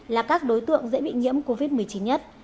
là các đối tượng dễ bị nhiễm covid một mươi chín nhất